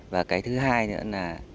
và cái thứ hai nữa là